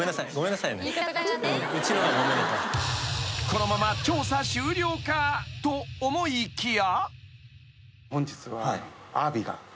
［このまま調査終了かと思いきや］